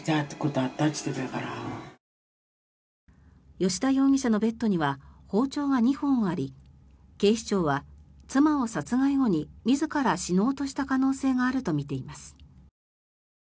吉田容疑者のベッドには包丁が２本あり警視庁は妻を殺害後に自ら死のうとした可能性があるとみています。